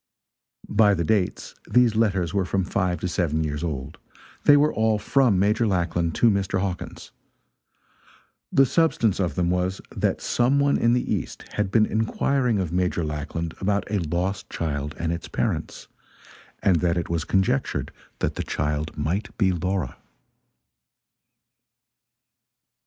By the dates, these letters were from five to seven years old. They were all from Major Lackland to Mr. Hawkins. The substance of them was, that some one in the east had been inquiring of Major Lackland about a lost child and its parents, and that it was conjectured that the child might be Laura.